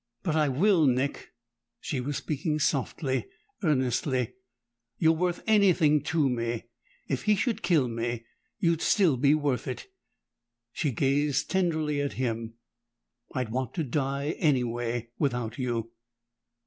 "But I will, Nick!" She was speaking softly, earnestly. "You're worth anything to me! If he should kill me, you'd still be worth it!" She gazed tenderly at him. "I'd want to die anyway without you!"